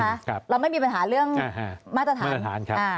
ประเทศอื่นใช่ไหมครับเราไม่มีปัญหาเรื่องมาตรฐาน